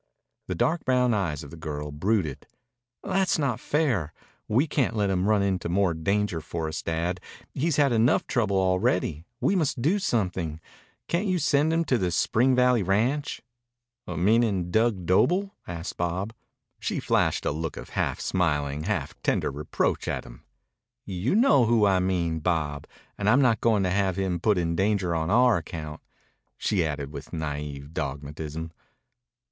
The dark brown eyes of the girl brooded. "That's not fair. We can't let him run into more danger for us, Dad. He's had enough trouble already. We must do something. Can't you send him to the Spring Valley Ranch?" "Meanin' Dug Doble?" asked Bob. She flashed a look of half smiling, half tender reproach at him. "You know who I mean, Bob. And I'm not going to have him put in danger on our account," she added with naïve dogmatism.